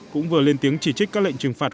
cũng vừa lên tiếng chỉ trích các lệnh trừng phạt